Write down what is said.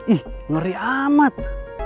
ih ngeri amat